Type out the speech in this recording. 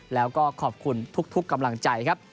แล้วก็ขอบคุณทุกกำลังใจครับ